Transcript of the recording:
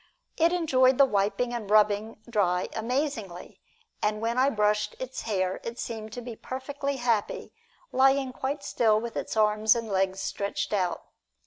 It enjoyed the wiping and rubbing dry amazingly, and when I brushed its hair seemed to be perfectly happy, lying quite still with its arms and legs stretched out.